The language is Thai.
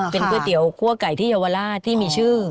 เป็นก๋วยเตี๋ยวคั่วไก่ที่เยาวราชที่มีชื่อ